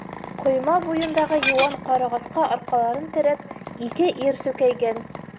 Ҡойма буйындағы йыуан ҡарағасҡа арҡаларын терәп, ике ир сүкәйгән.